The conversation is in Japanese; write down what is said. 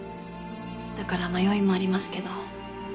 だから迷いもありますけど。